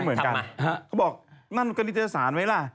เขาบอกนั่นก็นิจฐสารไหมล่ะ